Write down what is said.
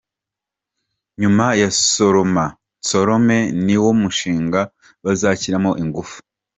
Nyuma ya ‘Soroma Nsorome’ ni wo mushinga bazashyiramo ingufu.